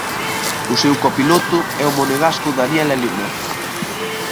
O seu copiloto é o monegasco Daniel Elena.